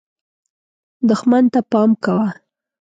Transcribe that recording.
دښمن ته پام کوه .